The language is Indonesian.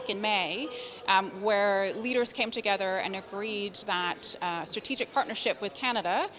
dan kami bersama dan bersetuju bahwa pertempuran strategis dengan kanada